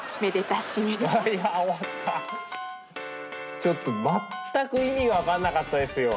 ちょっと全く意味が分かんなかったですよ。